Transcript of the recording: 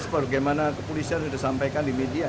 seperti yang kepolisian sudah sampaikan di media